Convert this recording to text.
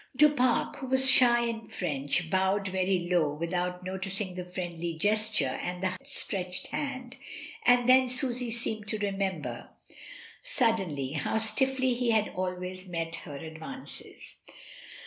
Du Pare, who was shy and French, bowed very low without noticing the friendly gesture and the outstretched hand, and then Susy seemed to re member suddenly how stiffly he had always met her advances.